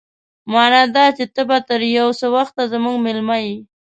مانا دا چې ته به تر يو څه وخته زموږ مېلمه يې.